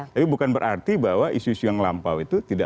tapi bukan berarti bahwa isu isu yang lampau itu tidak